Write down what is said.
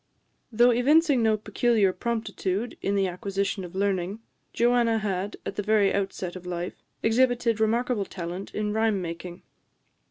Though evincing no peculiar promptitude in the acquisition of learning, Joanna had, at the very outset of life, exhibited remarkable talent in rhyme making.